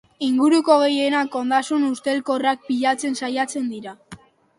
Inguruko gehienak ondasun ustelkorrak pilatzen saiatzen dira.